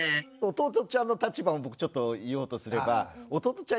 弟ちゃんの立場も僕ちょっと言おうとすれば弟ちゃん